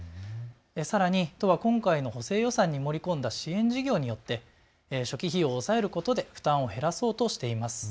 さらに都は補正予算に盛り込んだ支援事業によって初期費用を抑えることで負担を減らそうとしています。